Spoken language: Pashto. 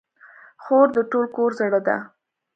خور د ټول کور زړه ده.